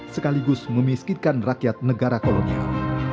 sekaligus memiskinkan rakyat negara kolonial